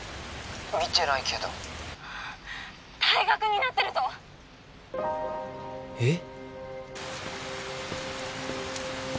☎見てないけど☎退学になってるぞえっ？